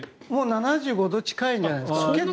７５度近いんじゃないですか。